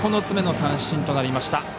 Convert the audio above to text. ９つ目の三振となりました。